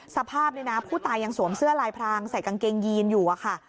สภาพผู้ตายยังสวมเสื้อลายพรางใส่กางเกงยีนอยู่